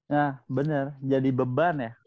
nah bener jadi beban ya